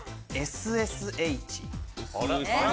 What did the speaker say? ＳＳＨ。